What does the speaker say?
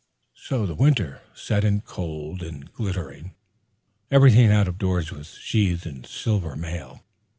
So the winter set in cold and glittering. Everything out of doors was sheathed in silver mail.